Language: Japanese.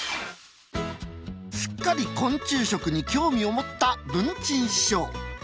すっかり昆虫食に興味を持った文珍師匠。